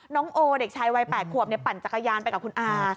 น้องโอเด็กชายวัย๘ขวบปั่นจักรยานไปกับคุณอา